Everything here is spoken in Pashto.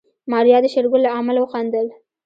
ماريا د شېرګل له عمل وخندل.